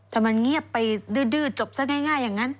ทำไมเงียบไปดื้อจบซะง่ายอย่างนั้น